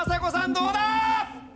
どうだ？